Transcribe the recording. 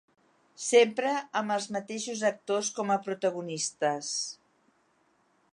Sempre amb els mateixos actors com a protagonistes.